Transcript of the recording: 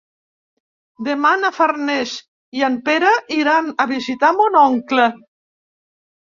Demà na Farners i en Pere iran a visitar mon oncle.